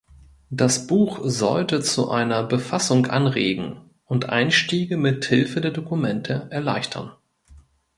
Das Buch sollte zu einer Befassung anregen und Einstiege mithilfe der Dokumente erleichtern.